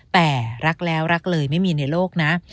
แต่รักแล้วรักเลยไม่มีในโลกนะ